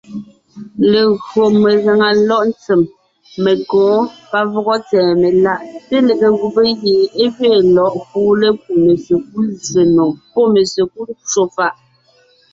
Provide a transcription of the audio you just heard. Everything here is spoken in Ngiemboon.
Legÿo megàŋa lɔ̌ʼ ntsèm, menkǒ, pavɔgɔ tsɛ̀ɛ meláʼ, té lege gubé gie é gẅeen lɔ̌ʼ kuʼu lékúu mesekúd zsè nò pɔ́ mesekúd ncwò fàʼ.